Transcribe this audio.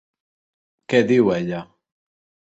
Què diu ella?